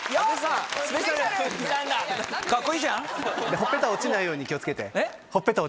ほっぺた落ちないように気を付けて。